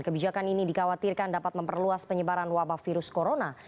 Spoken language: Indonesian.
kebijakan ini dikhawatirkan dapat memperluas penyebaran wabah virus corona